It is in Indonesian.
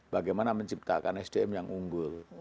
bagaimana menciptakan sdm yang unggul